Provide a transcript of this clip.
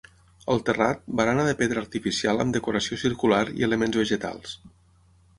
Al terrat, barana de pedra artificial amb decoració circular i elements vegetals.